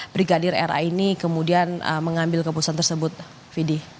brigadir ra ini kemudian mengambil keputusan tersebut fidi